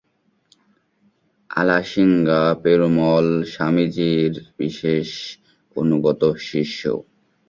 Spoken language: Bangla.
আলাসিঙ্গা, পেরুমল স্বামীজীর বিশেষ অনুগত শিষ্য।